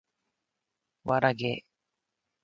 ｗ らげ ｒ